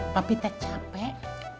tapi tak capek